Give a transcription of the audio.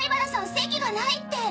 席がないって。